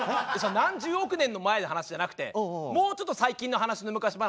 何十億年の前の話じゃなくてもうちょっと最近の話の昔話。